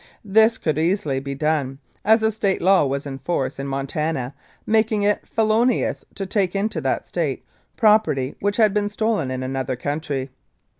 This could easily be done, as a State law was in force in Montana making it felonious to take into that State property which had been stolen in another country.